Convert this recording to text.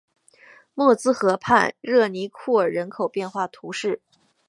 默兹河畔热尼库尔人口变化图示